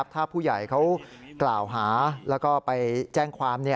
ถ้าผู้ใหญ่เขากล่าวหาแล้วก็ไปแจ้งความ